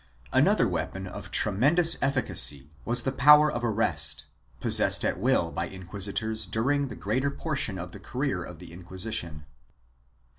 Another weapon of tremendous efficacy was the power of arrest, possessed at will by inquisitors during the greater portion of the career of the Inquisition.